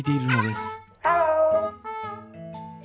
「ハロー」。